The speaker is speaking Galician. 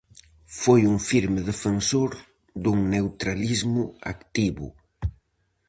Foi un firme defensor dun neutralismo activo.